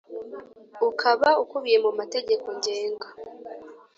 ukaba ukubiye mu mategeko Ngenga